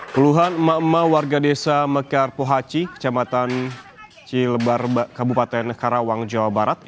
puluhan emak emak warga desa mekar pohaci kecamatan cilebar kabupaten karawang jawa barat